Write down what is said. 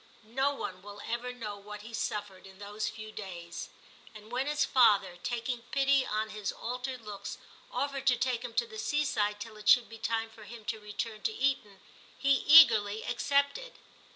No one will ever know what he suffered in those few days ; and when his father, taking pity on his altered looks, offered to take him to the seaside till it should be time for him to return to Eton, he eagerly accepted.